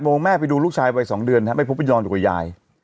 โมงแม่ไปดูลูกชายวัย๒เดือนไม่พบไปนอนอยู่กับยาย